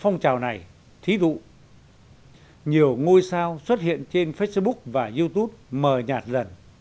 nhiều ngôi sao xuất hiện trên facebook và youtube mờ nhạt dần